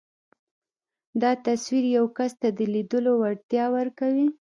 دا تصور يو کس ته د ليدلو وړتيا ورکوي.